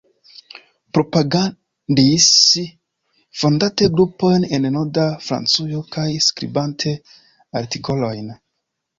Propagandis fondante grupojn en Norda Francujo kaj skribante artikolojn.